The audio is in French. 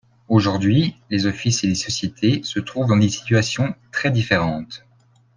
Aujourd’hui, les offices et les sociétés se trouvent dans des situations très différentes.